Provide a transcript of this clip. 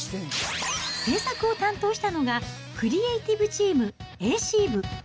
制作を担当したのがクリエイティブチーム、ＡＣ部。